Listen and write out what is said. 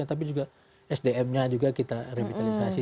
tapi juga sdmnya juga kita revitalisasi